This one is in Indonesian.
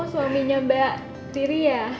suaminya mbak tiri ya